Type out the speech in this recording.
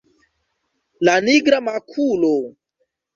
La nigra makulo!